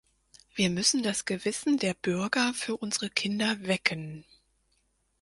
Wir müssen das Gewissen der Bürger für unsere Kinder wecken.